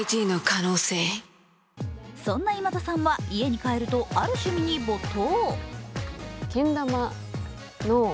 そんな今田さんは家に帰るとある趣味に没頭。